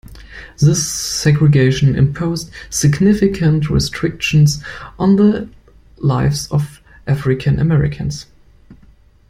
This segregation imposed significant restrictions on the lives of African-Americans.